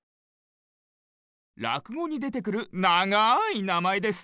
らくごにでてくるながいなまえです。